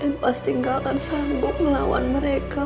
em pasti tidak akan sanggup melawan mereka mak